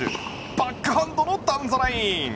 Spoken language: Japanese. バックハンドのダウンザライン！